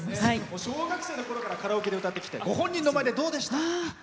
小学生のころからカラオケで歌ってきてご本人の前でどうでした？